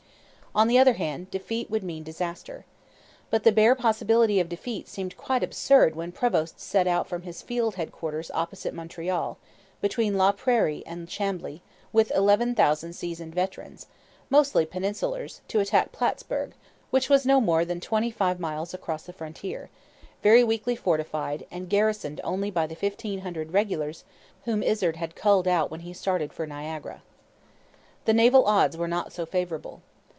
On the other hand, defeat would mean disaster. But the bare possibility of defeat seemed quite absurd when Prevost set out from his field headquarters opposite Montreal, between La Prairie and Chambly, with eleven thousand seasoned veterans, mostly 'Peninsulars,' to attack Plattsburg, which was no more than twenty five miles across the frontier, very weakly fortified, and garrisoned only by the fifteen hundred regulars whom Izard had 'culled out' when he started for Niagara. The naval odds were not so favourable.